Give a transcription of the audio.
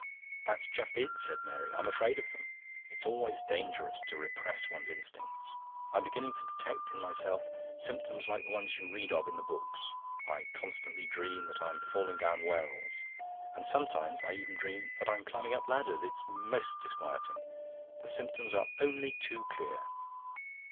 "That's just it," said Mary. "I'm afraid of them. It's always dangerous to repress one's instincts. I'm beginning to detect in myself symptoms like the ones you read of in the books. I constantly dream that I'm falling down wells; and sometimes I even dream that I'm climbing up ladders. It's most disquieting. The symptoms are only too clear."